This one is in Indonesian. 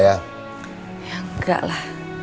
ya enggak lah